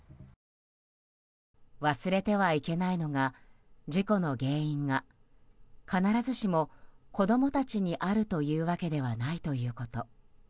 忘れてはいけないのが事故の原因が必ずしも子供たちにあるというわけではないということ。